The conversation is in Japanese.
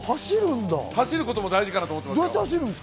走ることも大事かと思ってます。